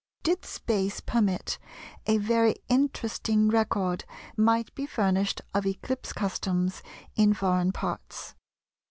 Did space permit a very interesting record might be furnished of eclipse customs in foreign parts.